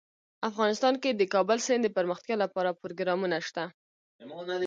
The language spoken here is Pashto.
افغانستان کې د کابل سیند دپرمختیا لپاره پروګرامونه شته.